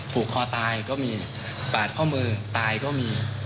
ผูกคอตายก็มีปาดข้อมือตายก็มี